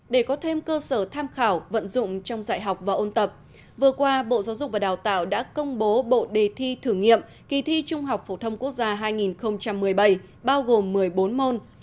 để có thêm cơ sở tham khảo vận dụng trong dạy học và ôn tập vừa qua bộ giáo dục và đào tạo đã công bố bộ đề thi thử nghiệm kỳ thi trung học phổ thông quốc gia hai nghìn một mươi bảy bao gồm một mươi bốn môn